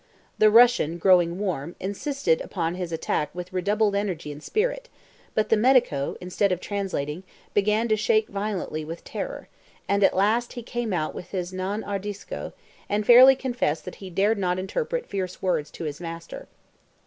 The Russian, growing warm, insisted upon his attack with redoubled energy and spirit; but the medico, instead of translating, began to shake violently with terror, and at last he came out with his non ardisco, and fairly confessed that he dared not interpret fierce words to his master.